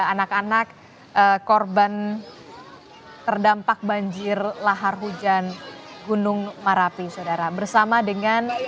anak anak korban terdampak banjir lahar hujan gunung merapi saudara bersama dengan